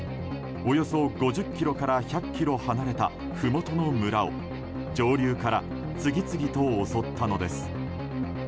およそ５０ｋｍから１００ｋｍ離れたふもとの村を上流から次々と襲ったのです。